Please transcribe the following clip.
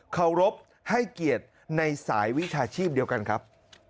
เคารพให้เกียรติในสายวิชาชีพเดียวกันครับ